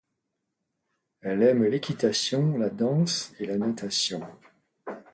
Elle aime l'équitation, la danse et la natation.